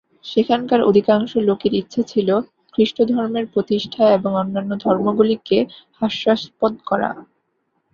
সেখানকার অধিকাংশ লোকের ইচ্ছা ছিল খ্রীষ্টধর্মের প্রতিষঠা এবং অন্যান্য ধর্মগুলিকে হাস্যাস্পদ করা।